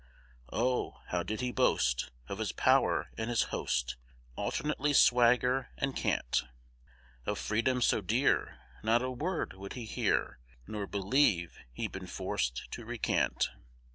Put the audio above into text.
Oh! how did he boast Of his pow'r and his host, Alternately swagger and cant; Of freedom so dear, Not a word would he hear, Nor believe he'd be forc'd to recant.